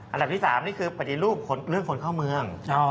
อันดับที่๓นี่คือปฏิรูปเรื่องคนเข้าเมือง